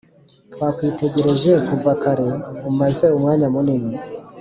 twakwitegereje kuva kare umaze umwanya munini